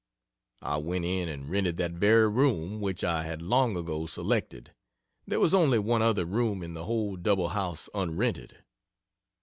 I went in and rented that very room which I had long ago selected. There was only one other room in the whole double house unrented.